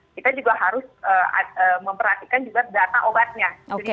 kita juga harus memperhatikan juga data obatnya